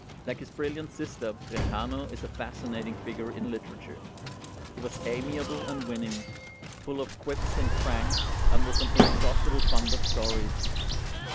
Like his brilliant sister, Brentano is a fascinating figure in literature. He was amiable and winning, full of quips and cranks, and with an inexhaustible fund of stories.